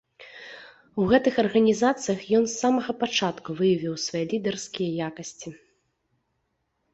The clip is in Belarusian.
У гэтых арганізацыях ён з самага пачатку выявіў свае лідарскія якасці.